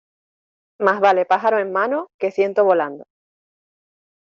Más vale pájaro en mano, que ciento volando.